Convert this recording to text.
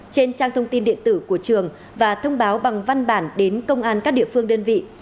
trên trang thông tin điện tử của trường và thông báo bằng văn bản đến công an các địa phương đơn vị